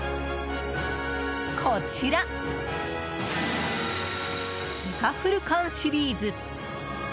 こちら、でかフル缶シリーズ。